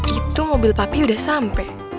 itu mobil papi udah sampai